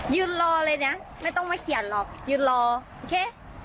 ยืนรอเลยนะไม่ต้องมาเขียนหรอกยืนรอเคส